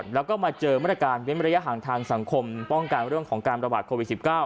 แล้วก็มาเจอมาตรการเว้นระยะห่างทางสังคมป้องกันเรื่องของการประบาดโควิด๑๙